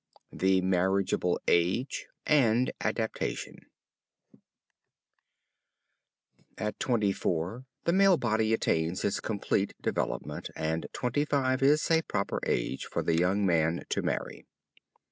THE MARRIAGEABLE AGE AND ADAPTATION At twenty four the male body attains its complete development; and twenty five is a proper age for the young man to marry.